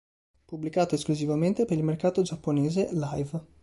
Pubblicato esclusivamente per il mercato giapponese, "Live!!